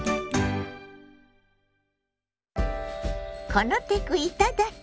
「このテクいただき！